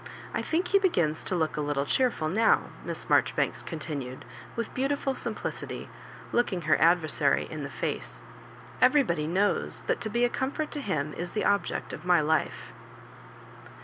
I think he begins to look a little cheerful now," Miss Marjo ribanks continued, with beautiful simplicity, lookuig her adversary in the face. "Every body knows that to be a comfort to him is the object of my life.'